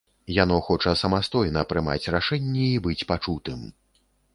Яно хоча самастойна прымаць рашэнні і быць пачутым.